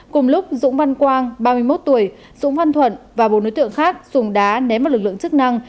cùng lúc dũng văn quang ba mươi một tuổi dũng văn thuận và bốn đối tượng khác dùng đá ném vào lực lượng chức năng